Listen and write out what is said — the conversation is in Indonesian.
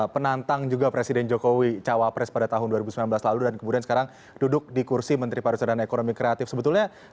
penantang juga presiden jokowi cawapres pada tahun dua ribu sembilan belas lalu dan kemudian sekarang duduk di kursi menteri pariwisata dan ekonomi kreatif sebetulnya